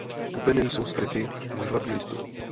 Pupeny jsou skryty v úžlabí listů.